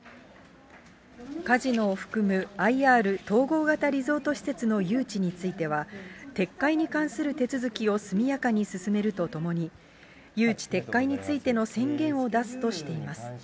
カジノを含むＩＲ・統合型リゾート施設の誘致については、撤回に関する手続きを速やかに進めるとともに、誘致撤回についての宣言を出すとしています。